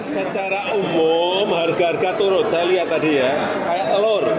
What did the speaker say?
secara umum harga harga turun saya lihat tadi ya kayak telur